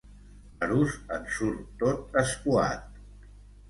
L'Arús en surt tot escuat.